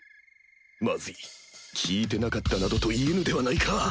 まずい聞いてなかったなどと言えぬではないか！